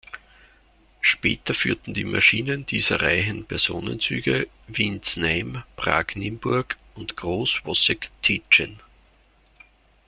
Später führten die Maschinen dieser Reihen Personenzüge Wien–Znaim, Prag–Nimburg und Groß-Wossek–Tetschen.